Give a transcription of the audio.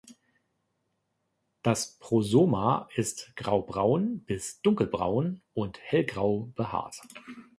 Das Prosoma ist graubraun bis dunkelbraun und hellgrau behaart.